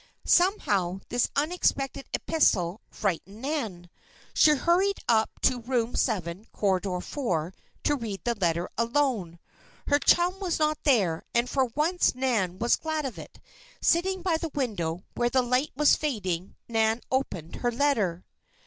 Somehow, this unexpected epistle frightened Nan. She hurried up to Room Seven, Corridor Four, to read the letter alone. Her chum was not there and for once Nan was glad of that. Sitting by the window where the light was fading, Nan opened her letter.